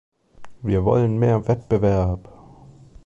Wir wollen mehr Wettbewerb!